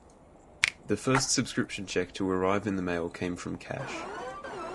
The first subscription check to arrive in the mail came from Cash.